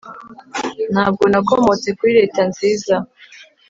ntabwo nakomotse kuri leta nziza